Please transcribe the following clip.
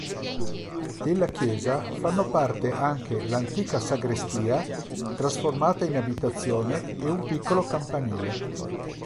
Della chiesa fanno parte anche l'antica sagrestia, trasformata in abitazione e un piccolo campanile.